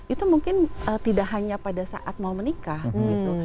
itu mungkin tidak hanya pada saat mau menikah gitu